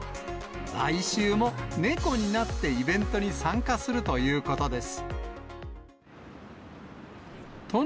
来週も猫になって、イベントに参加するということです。